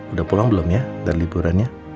udah pulang belum ya dari liburan ya